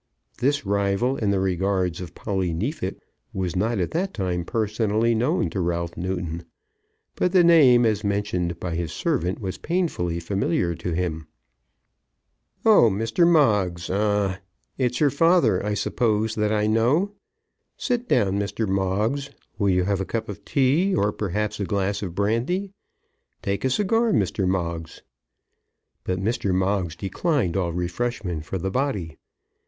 This rival in the regards of Polly Neefit was not at that time personally known to Ralph Newton; but the name, as mentioned by his servant, was painfully familiar to him. "Oh, Mr. Moggs, ah; it's your father, I suppose, that I know. Sit down, Mr. Moggs; will you have a cup of tea; or perhaps a glass of brandy? Take a cigar, Mr. Moggs." But Moggs declined all refreshment for the body.